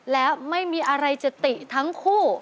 แล้วไม่มีอะไรจะติทั้งคู่